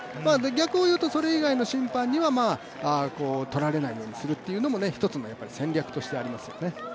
逆を言うとそれ以外の審判には取られないようにするっていうのも一つの戦略としてありますよね。